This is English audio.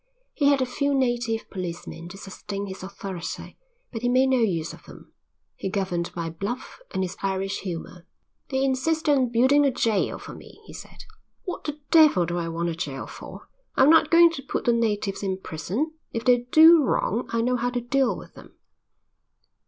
He had a few native policemen to sustain his authority, but he made no use of them. He governed by bluff and his Irish humour. "They insisted on building a jail for me," he said. "What the devil do I want a jail for? I'm not going to put the natives in prison. If they do wrong I know how to deal with them."